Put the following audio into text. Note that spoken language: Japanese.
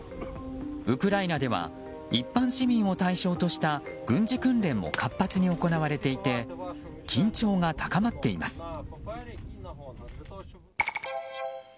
ウクライナでは一般市民を対象とした軍事訓練も活発に行われていて緊張が高まっています。